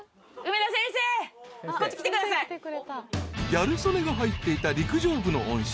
［ギャル曽根が入っていた陸上部の恩師